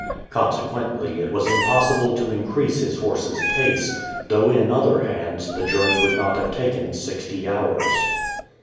Consequently, it was impossible to increase his horse's pace, though in other hands, the journey would not have taken sixty hours.